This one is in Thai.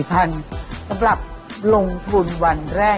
ตฐ้าทุกวันก่อน